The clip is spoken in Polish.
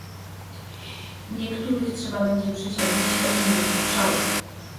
Niektórych trzeba będzie przesiedlić do innych obszarów